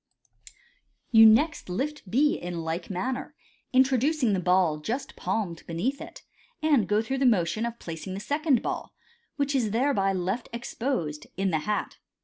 You next lift B in like manner, introducing the ball just palmed beneath it, and go through the motion of placing the second ball, which is thereby left exposed, in the hat.